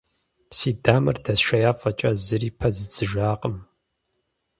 Си дамэр дэсшея фӀэкӀа, зыри пэздзыжакъым.